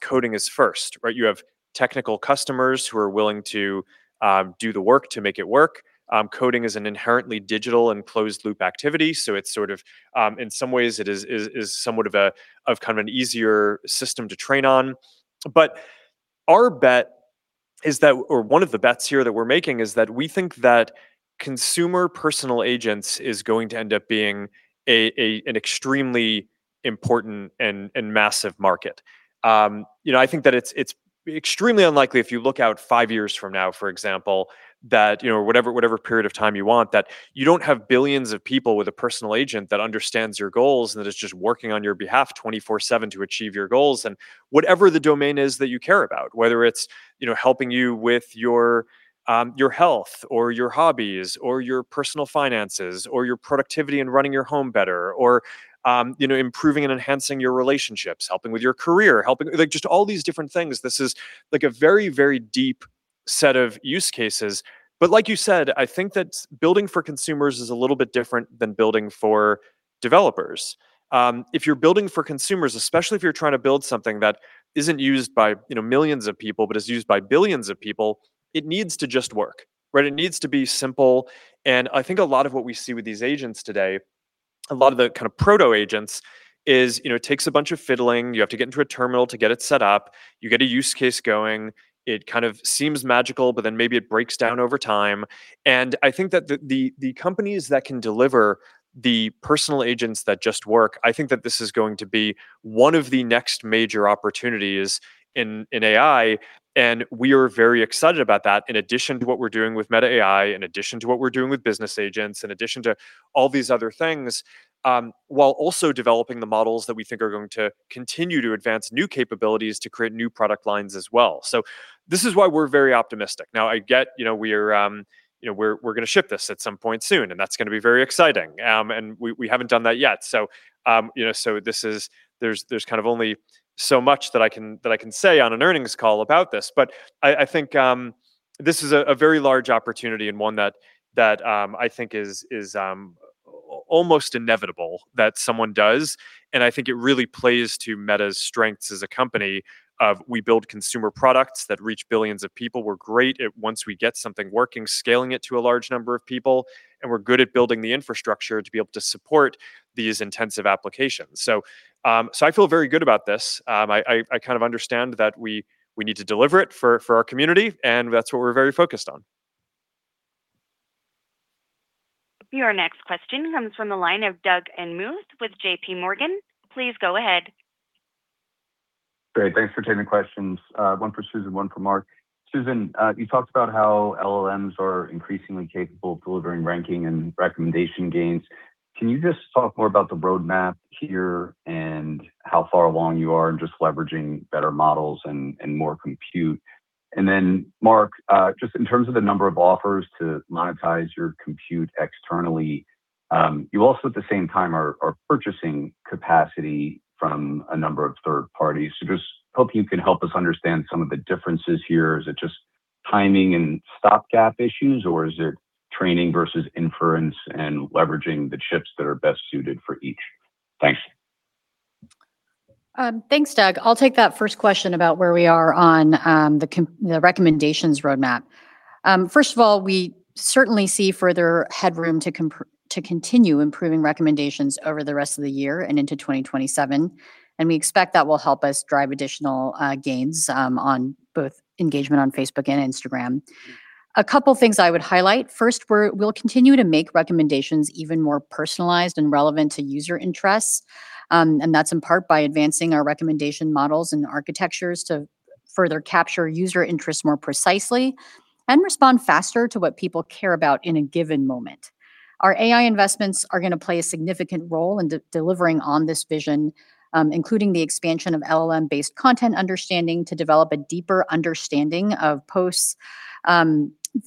coding is first, right? You have technical customers who are willing to do the work to make it work. Coding is an inherently digital and closed-loop activity, in some ways, it is somewhat of a kind of an easier system to train on. Our bet is that, one of the bets here that we're making is that we think that consumer personal agents is going to end up being an extremely important and massive market. I think that it's extremely unlikely if you look out five years from now, for example, that whatever period of time you want, that you don't have billions of people with a personal agent that understands your goals and that is just working on your behalf 24/7 to achieve your goals in whatever the domain is that you care about, whether it's helping you with your health or your hobbies or your personal finances or your productivity in running your home better or improving and enhancing your relationships, helping with your career. Just all these different things. This is a very, very deep set of use cases. Like you said, I think that building for consumers is a little bit different than building for developers. If you're building for consumers, especially if you're trying to build something that isn't used by millions of people but is used by billions of people, it needs to just work. It needs to be simple. I think a lot of what we see with these agents today, a lot of the kind of proto-agents is it takes a bunch of fiddling. You have to get into a terminal to get it set up. You get a use case going. It kind of seems magical, maybe it breaks down over time. I think that the companies that can deliver the personal agents that just work, I think that this is going to be one of the next major opportunities in AI. We are very excited about that in addition to what we're doing with Meta AI, in addition to what we're doing with business agents, in addition to all these other things, while also developing the models that we think are going to continue to advance new capabilities to create new product lines as well. This is why we're very optimistic. Now, I get we're going to ship this at some point soon. That's going to be very exciting. We haven't done that yet. There's kind of only so much that I can say on an earnings call about this. I think this is a very large opportunity, one that I think is almost inevitable that someone does. I think it really plays to Meta's strengths as a company of we build consumer products that reach billions of people. We're great at once we get something working, scaling it to a large number of people. We're good at building the infrastructure to be able to support these intensive applications. I feel very good about this. I kind of understand that we need to deliver it for our community. That's what we're very focused on. Your next question comes from the line of Doug Anmuth with JPMorgan. Please go ahead. Great. Thanks for taking questions. One for Susan, one for Mark. Susan, you talked about how LLMs are increasingly capable of delivering ranking and recommendation gains. Can you just talk more about the roadmap here and how far along you are in just leveraging better models and more compute? Mark, just in terms of the number of offers to monetize your compute externally, you also at the same time are purchasing capacity from a number of third parties. Just hoping you can help us understand some of the differences here. Is it just timing and stopgap issues, or is it training versus inference and leveraging the chips that are best suited for each? Thanks. Thanks, Doug. I'll take that first question about where we are on the recommendations roadmap. First of all, we certainly see further headroom to continue improving recommendations over the rest of the year and into 2027. We expect that will help us drive additional gains on both engagement on Facebook and Instagram. A couple things I would highlight. First, we'll continue to make recommendations even more personalized and relevant to user interests. That's in part by advancing our recommendation models and architectures to further capture user interest more precisely and respond faster to what people care about in a given moment. Our AI investments are going to play a significant role in delivering on this vision, including the expansion of LLM-based content understanding to develop a deeper understanding of posts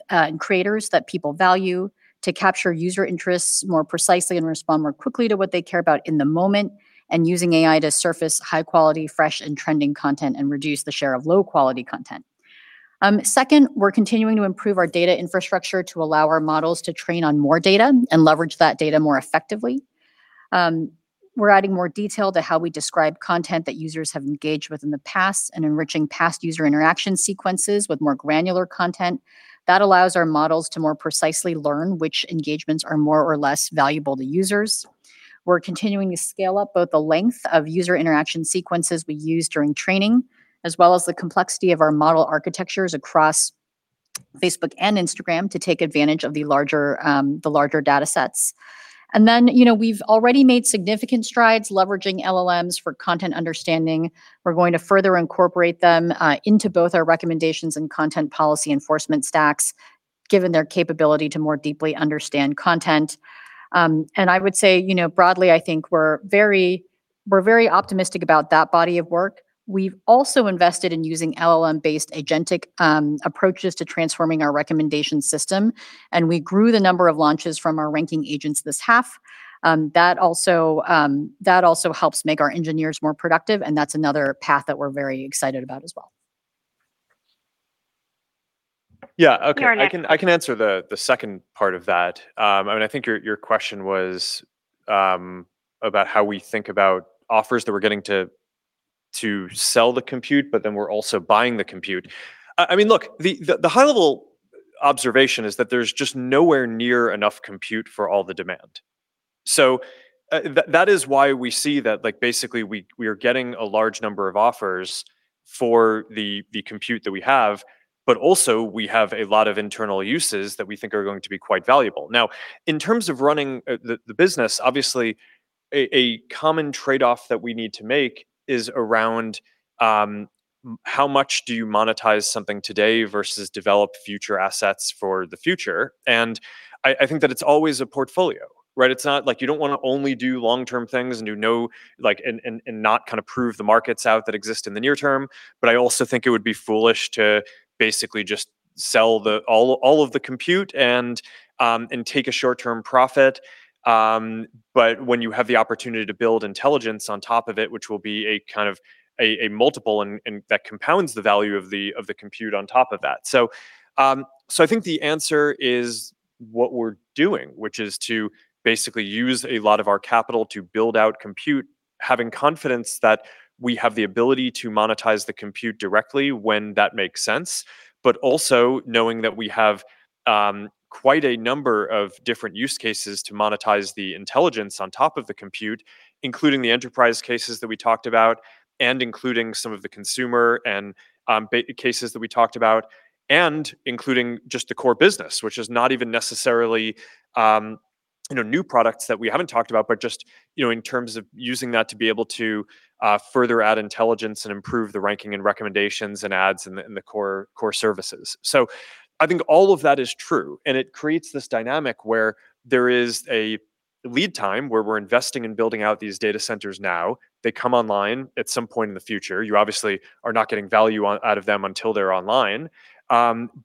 and creators that people value, to capture user interests more precisely and respond more quickly to what they care about in the moment, and using AI to surface high-quality, fresh, and trending content and reduce the share of low-quality content. Second, we're continuing to improve our data infrastructure to allow our models to train on more data and leverage that data more effectively. We're adding more detail to how we describe content that users have engaged with in the past and enriching past user interaction sequences with more granular content. That allows our models to more precisely learn which engagements are more or less valuable to users. We're continuing to scale up both the length of user interaction sequences we use during training, as well as the complexity of our model architectures across Facebook and Instagram to take advantage of the larger datasets. We've already made significant strides leveraging LLMs for content understanding. We're going to further incorporate them into both our recommendations and content policy enforcement stacks, given their capability to more deeply understand content. I would say, broadly, I think we're very optimistic about that body of work. We've also invested in using LLM-based agentic approaches to transforming our recommendation system, and we grew the number of launches from our ranking agents this half. That also helps make our engineers more productive, and that's another path that we're very excited about as well. Yeah. Okay. Your next- I can answer the second part of that. I think your question was about how we think about offers that we're getting to sell the compute, we're also buying the compute. Look, the high-level observation is that there's just nowhere near enough compute for all the demand. That is why we see that basically, we are getting a large number of offers for the compute that we have, we have a lot of internal uses that we think are going to be quite valuable. Now, in terms of running the business, obviously, a common trade-off that we need to make is around how much do you monetize something today versus develop future assets for the future? I think that it's always a portfolio, right? You don't want to only do long-term things and not kind of prove the markets out that exist in the near term. I also think it would be foolish to basically just sell all of the compute and take a short-term profit. When you have the opportunity to build intelligence on top of it, which will be a kind of multiple and that compounds the value of the compute on top of that. I think the answer is what we're doing, which is to basically use a lot of our capital to build out compute, having confidence that we have the ability to monetize the compute directly when that makes sense, but also knowing that we have quite a number of different use cases to monetize the intelligence on top of the compute, including the enterprise cases that we talked about and including some of the consumer and cases that we talked about, and including just the core business, which is not even necessarily new products that we haven't talked about, but just in terms of using that to be able to further add intelligence and improve the ranking and recommendations and ads in the core services. I think all of that is true, it creates this dynamic where there is a lead time where we're investing in building out these data centers now. They come online at some point in the future. You obviously are not getting value out of them until they're online.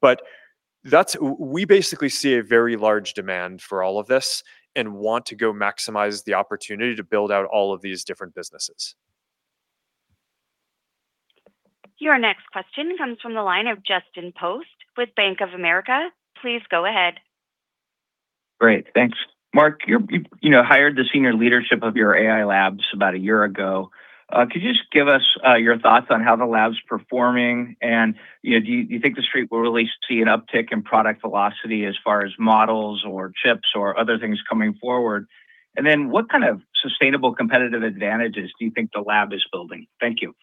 We basically see a very large demand for all of this and want to go maximize the opportunity to build out all of these different businesses. Your next question comes from the line of Justin Post with Bank of America. Please go ahead. Great. Thanks. Mark, you hired the senior leadership of your AI labs about a year ago. Could you just give us your thoughts on how the lab's performing? Do you think the Street will really see an uptick in product velocity as far as models or chips or other things coming forward? What kind of sustainable competitive advantages do you think the lab is building? Thank you.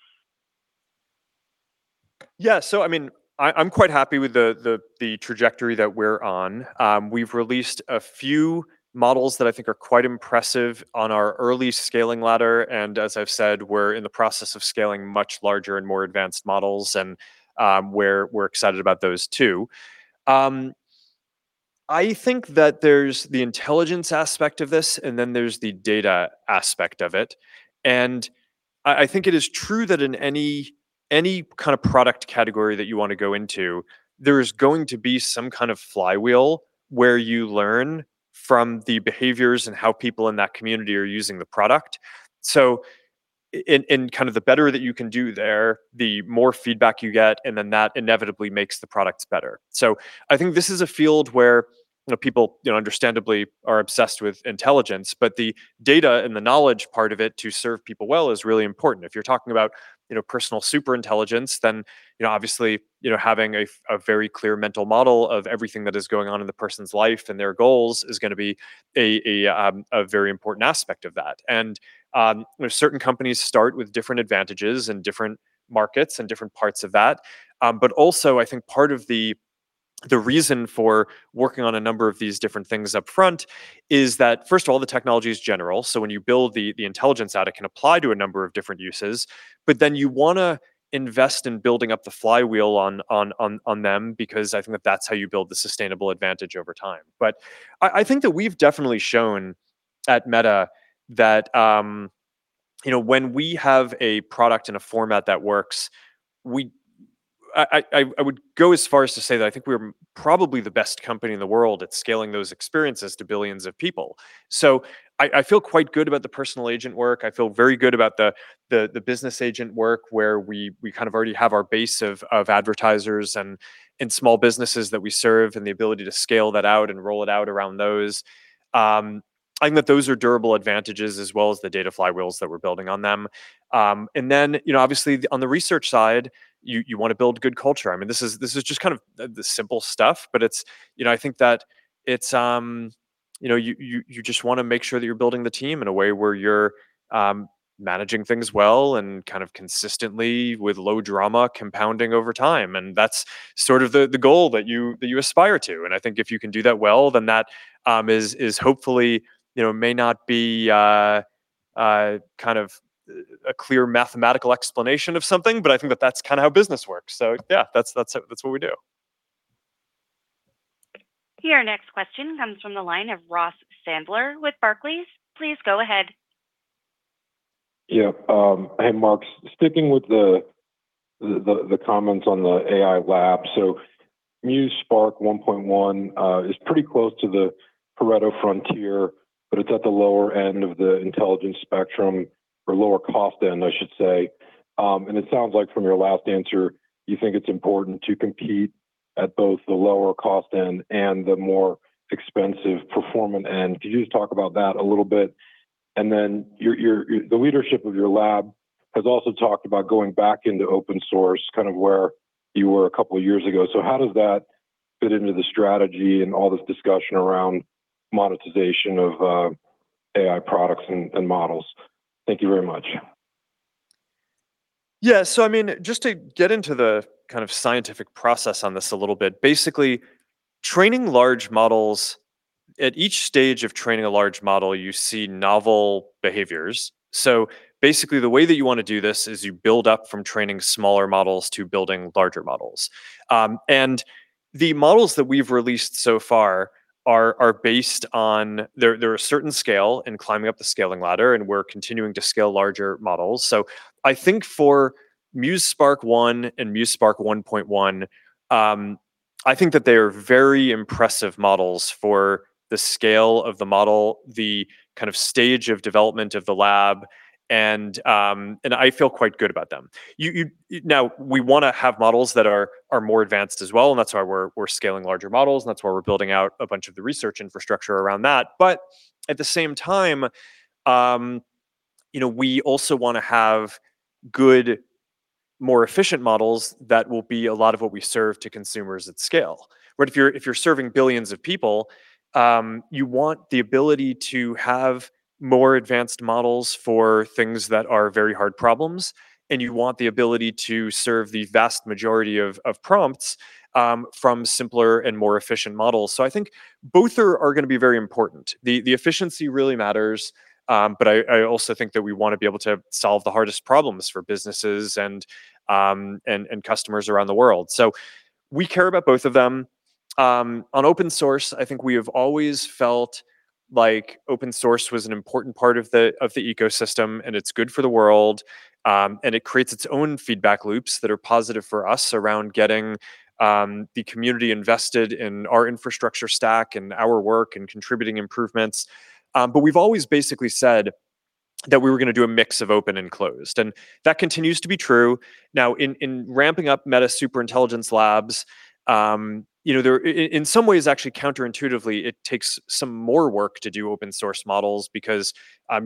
I'm quite happy with the trajectory that we're on. We've released a few models that I think are quite impressive on our early scaling ladder. As I've said, we're in the process of scaling much larger and more advanced models, we're excited about those too. I think that there's the intelligence aspect of this, then there's the data aspect of it. I think it is true that in any kind of product category that you want to go into, there's going to be some kind of flywheel where you learn from the behaviors and how people in that community are using the product. The better that you can do there, the more feedback you get, that inevitably makes the products better. I think this is a field where people understandably are obsessed with intelligence, the data and the knowledge part of it to serve people well is really important. If you're talking about personal super intelligence, obviously, having a very clear mental model of everything that is going on in the person's life and their goals is going to be a very important aspect of that. Certain companies start with different advantages in different markets and different parts of that. Also, I think part of the reason for working on a number of these different things upfront is that, first of all, the technology is general, when you build the intelligence out, it can apply to a number of different uses. You want to invest in building up the flywheel on them, because I think that that's how you build the sustainable advantage over time. I think that we've definitely shown at Meta that when we have a product and a format that works, I would go as far as to say that I think we're probably the best company in the world at scaling those experiences to billions of people. I feel quite good about the personal agent work. I feel very good about the business agent work, where we kind of already have our base of advertisers and small businesses that we serve, the ability to scale that out and roll it out around those. I think that those are durable advantages as well as the data flywheels that we're building on them. Obviously, on the research side, you want to build good culture. This is just the simple stuff, I think that you just want to make sure that you're building the team in a way where you're managing things well and kind of consistently, with low drama compounding over time, that's sort of the goal that you aspire to. I think if you can do that well, that hopefully may not be a clear mathematical explanation of something, I think that that's kind of how business works. Yeah, that's what we do. Our next question comes from the line of Ross Sandler with Barclays. Please go ahead. Yeah. Hey, Mark. Sticking with the comments on the AI lab. Muse Spark 1.1 is pretty close to the Pareto frontier, it's at the lower end of the intelligence spectrum, or lower cost end, I should say. It sounds like from your last answer, you think it's important to compete at both the lower cost end and the more expensive performant end. Could you just talk about that a little bit? Then the leadership of your lab has also talked about going back into open source, kind of where you were a couple of years ago. How does that fit into the strategy and all this discussion around monetization of AI products and models? Thank you very much. Yeah. Just to get into the scientific process on this a little bit. Basically, at each stage of training a large model, you see novel behaviors. Basically, the way that you want to do this is you build up from training smaller models to building larger models. The models that we've released so far, they're a certain scale and climbing up the scaling ladder, we're continuing to scale larger models. I think for Muse Spark 1 and Muse Spark 1.1, I think that they're very impressive models for the scale of the model, the stage of development of the lab, and I feel quite good about them. Now, we want to have models that are more advanced as well, that's why we're scaling larger models, that's why we're building out a bunch of the research infrastructure around that. At the same time, we also want to have good, more efficient models that will be a lot of what we serve to consumers at scale. Where if you're serving billions of people, you want the ability to have more advanced models for things that are very hard problems, you want the ability to serve the vast majority of prompts from simpler and more efficient models. I think both are going to be very important. The efficiency really matters, I also think that we want to be able to solve the hardest problems for businesses and customers around the world. We care about both of them. On open source, I think we have always felt like open source was an important part of the ecosystem, it's good for the world. It creates its own feedback loops that are positive for us around getting the community invested in our infrastructure stack and our work and contributing improvements. We've always basically said that we were going to do a mix of open and closed, and that continues to be true. In ramping up Meta Superintelligence Labs, in some ways, actually counterintuitively, it takes some more work to do open source models because if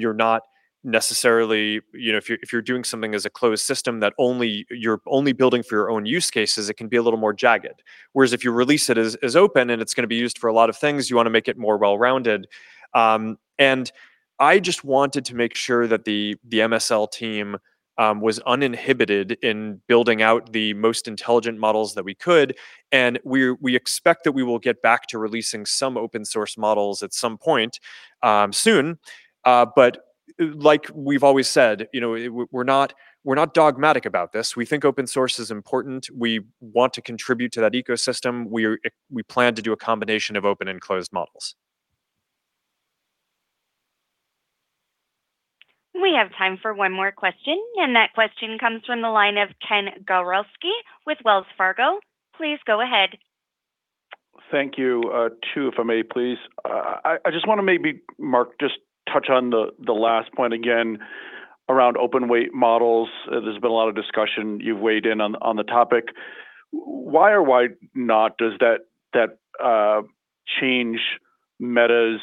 you're doing something as a closed system that you're only building for your own use cases, it can be a little more jagged. Whereas if you release it as open and it's going to be used for a lot of things, you want to make it more well-rounded. I just wanted to make sure that the MSL team was uninhibited in building out the most intelligent models that we could. We expect that we will get back to releasing some open source models at some point soon. Like we've always said, we're not dogmatic about this. We think open source is important. We want to contribute to that ecosystem. We plan to do a combination of open and closed models. We have time for one more question. That question comes from the line of Ken Gawrelski with Wells Fargo. Please go ahead. Thank you. Two if I may, please. I just want to maybe, Mark, just touch on the last point again around open-weight models. There's been a lot of discussion. You've weighed in on the topic. Why or why not does that change Meta's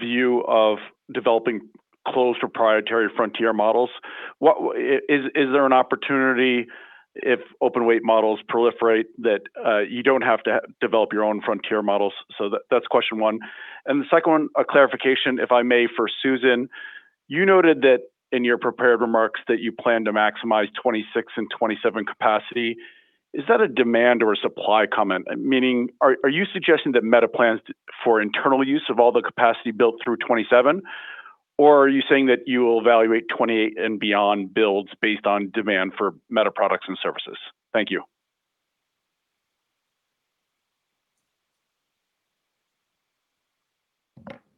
view of developing closed proprietary frontier models? Is there an opportunity if open-weight models proliferate that you don't have to develop your own frontier models? That's question one. The second one, a clarification, if I may, for Susan. You noted that in your prepared remarks that you plan to maximize 2026 and 2027 capacity. Is that a demand or a supply comment? Meaning, are you suggesting that Meta plans for internal use of all the capacity built through 2027, or are you saying that you will evaluate 2028 and beyond builds based on demand for Meta products and services? Thank you.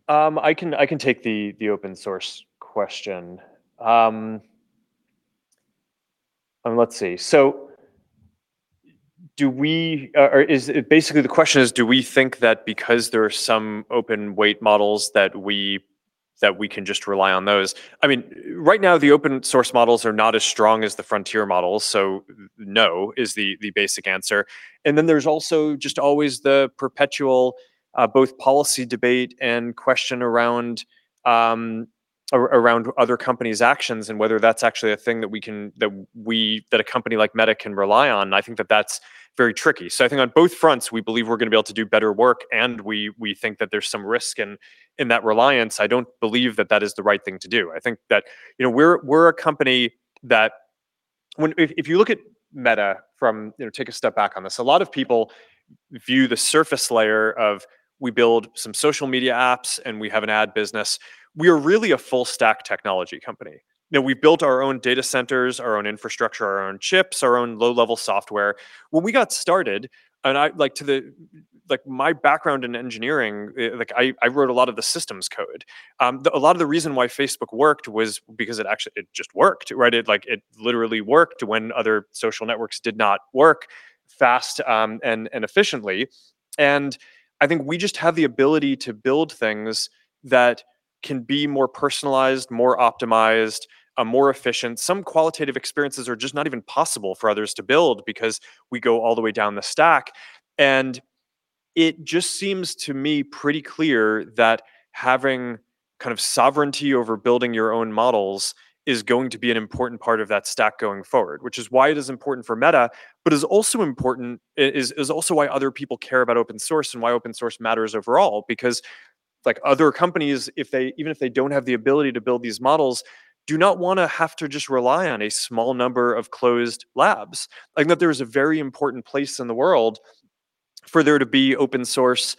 I can take the open source question. Let's see. Basically, the question is, do we think that because there are some open-weight models that we can just rely on those? Right now, the open-source models are not as strong as the frontier models, so no is the basic answer. There's also just always the perpetual both policy debate and question around other companies' actions and whether that's actually a thing that a company like Meta can rely on. I think that that's very tricky. I think on both fronts, we believe we're going to be able to do better work, and we think that there's some risk in that reliance. I don't believe that that is the right thing to do. I think that we're a company that if you look at Meta. Take a step back on this. A lot of people view the surface layer of we build some social media apps and we have an ad business. We are really a full stack technology company. We've built our own data centers, our own infrastructure, our own chips, our own low-level software. When we got started, my background in engineering, I wrote a lot of the systems code. A lot of the reason why Facebook worked was because it just worked. It literally worked when other social networks did not work fast and efficiently. I think we just have the ability to build things that can be more personalized, more optimized, more efficient. Some qualitative experiences are just not even possible for others to build because we go all the way down the stack. It just seems to me pretty clear that having kind of sovereignty over building your own models is going to be an important part of that stack going forward, which is why it is important for Meta, but is also why other people care about open source and why open source matters overall. Because other companies, even if they don't have the ability to build these models, do not want to have to just rely on a small number of closed labs. I think that there is a very important place in the world for there to be open source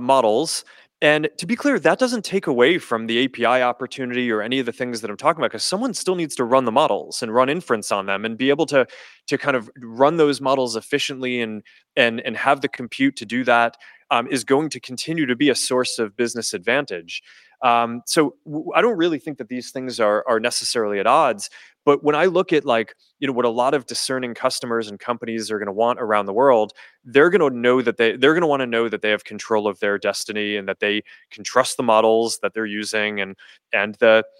models. To be clear, that doesn't take away from the API opportunity or any of the things that I'm talking about because someone still needs to run the models and run inference on them and be able to kind of run those models efficiently and have the compute to do that is going to continue to be a source of business advantage. I don't really think that these things are necessarily at odds, but when I look at what a lot of discerning customers and companies are going to want around the world, they're going to want to know that they have control of their destiny and that they can trust the models that they're using and that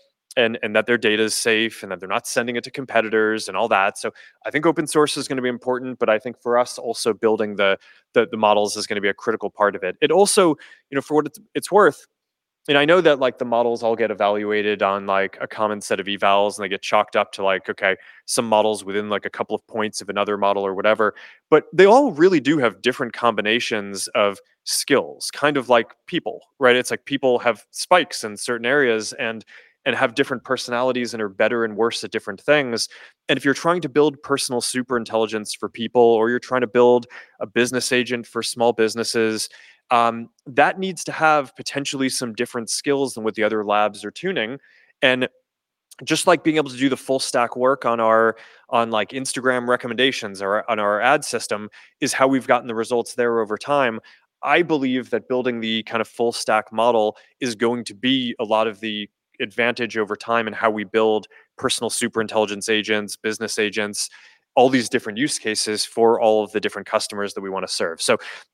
their data is safe and that they're not sending it to competitors and all that. I think open source is going to be important, for us also building the models is going to be a critical part of it. It also, for what it's worth, I know that the models all get evaluated on a common set of evals and they get chalked up to some models within a couple of points of another model or whatever, they all really do have different combinations of skills, kind of like people, right? It's like people have spikes in certain areas and have different personalities and are better and worse at different things. If you're trying to build personal super intelligence for people or you're trying to build a business agent for small businesses, that needs to have potentially some different skills than what the other labs are tuning. Just like being able to do the full stack work on Instagram recommendations or on our ad system is how we've gotten the results there over time. I believe that building the kind of full stack model is going to be a lot of the advantage over time in how we build personal super intelligence agents, business agents, all these different use cases for all of the different customers that we want to serve.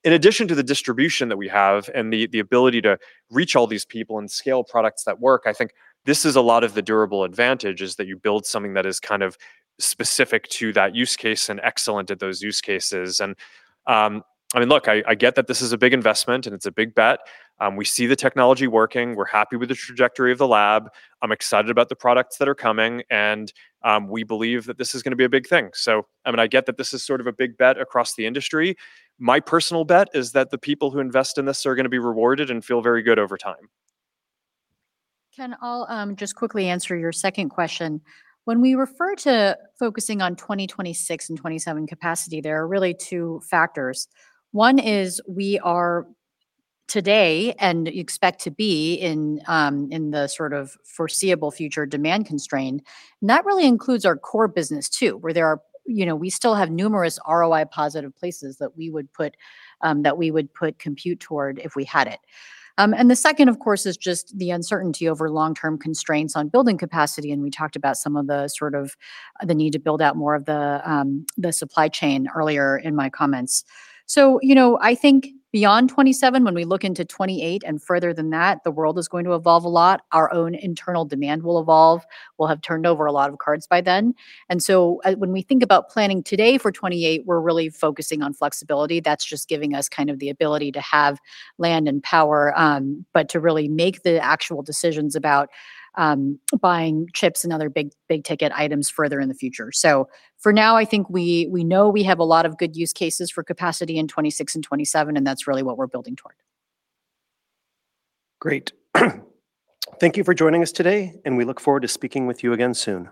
In addition to the distribution that we have and the ability to reach all these people and scale products that work, I think this is a lot of the durable advantage is that you build something that is kind of specific to that use case and excellent at those use cases. Look, I get that this is a big investment and it's a big bet. We see the technology working. We're happy with the trajectory of the lab. I'm excited about the products that are coming we believe that this is going to be a big thing. I get that this is sort of a big bet across the industry. My personal bet is that the people who invest in this are going to be rewarded and feel very good over time. Ken, I'll just quickly answer your second question. When we refer to focusing on 2026 and 2027 capacity, there are really two factors. One is we are today and expect to be in the sort of foreseeable future demand-constrained. That really includes our core business too, where we still have numerous ROI-positive places that we would put compute toward if we had it. The second, of course, is just the uncertainty over long-term constraints on building capacity, and we talked about some of the need to build out more of the supply chain earlier in my comments. I think beyond 2027, when we look into 2028 and further than that, the world is going to evolve a lot. Our own internal demand will evolve. We'll have turned over a lot of cards by then. When we think about planning today for 2028, we're really focusing on flexibility. That's just giving us kind of the ability to have land and power, but to really make the actual decisions about buying chips and other big-ticket items further in the future. For now, I think we know we have a lot of good use cases for capacity in 2026 and 2027, and that's really what we're building toward. Great. Thank you for joining us today. We look forward to speaking with you again soon.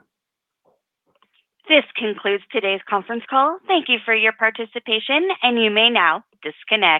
This concludes today's conference call. Thank you for your participation. You may now disconnect.